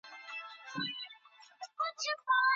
ايا د عرف په پريښودلو سره پيغورونه وي؟